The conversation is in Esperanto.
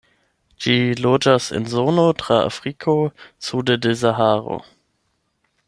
Ĝi loĝas en zono tra Afriko sude de Saharo.